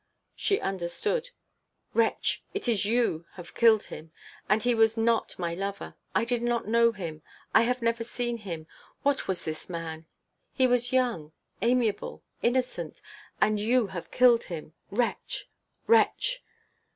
She understood: "Wretch! it is you have killed him, and he was not my lover. I did not know him.... I have never seen him.... What was this man? He was young, amiable ... innocent. And you have killed him, wretch! wretch!"